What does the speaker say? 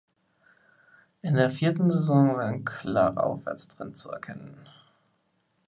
In der vierten Saison war ein klarer Aufwärtstrend zu erkennen.